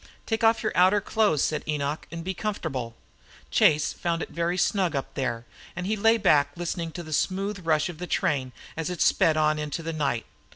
"Take off your outer clothes," said Enoch, "an' be comfortable." Chase found it very snug up there, and he lay back listening to the smooth rush of the train as it sped on into the night.